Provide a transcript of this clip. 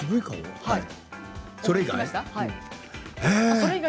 それ以外？